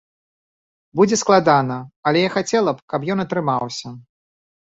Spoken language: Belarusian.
Будзе складана, але я хацела б, каб ён атрымаўся.